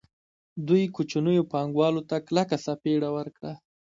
دوی کوچنیو پانګوالو ته کلکه څپېړه ورکړه